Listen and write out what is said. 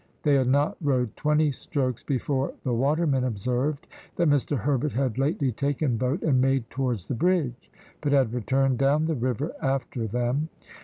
They had not rowed twenty strokes, before the watermen observed, that Mr. Herbert had lately taken boat, and made towards the bridge, but had returned down the river after them.